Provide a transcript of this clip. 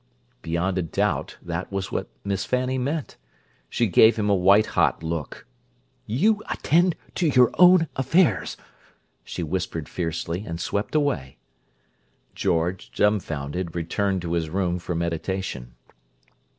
Beyond a doubt that was what Miss Fanny meant. She gave him a white hot look. "You attend to your own affairs!" she whispered fiercely, and swept away. George, dumfounded, returned to his room for meditation.